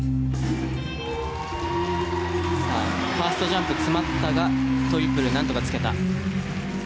ファーストジャンプ詰まったがトリプルなんとかつけた。